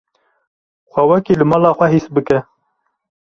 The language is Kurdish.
Xwe wekî li mala xwe his bike.